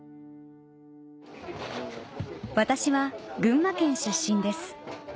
私は群馬県出身です